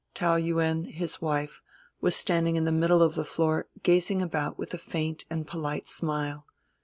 Taou Yuen, his wife, was standing in the middle of the floor, gazing about with a faint and polite smile.